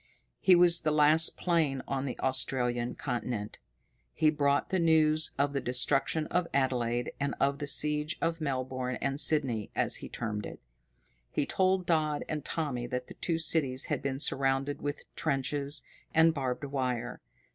His was the last plane on the Australian continent. He brought the news of the destruction of Adelaide, and of the siege of Melbourne and Sydney, as he termed it. He told Dodd and Tommy that the two cities had been surrounded with trenches and barbed wire.